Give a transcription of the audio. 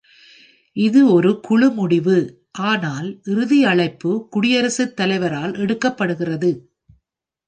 இது ஒரு குழு முடிவு, ஆனால் இறுதி அழைப்பு குடியரசுத்தலைவரால் எடுக்க படுகிறது.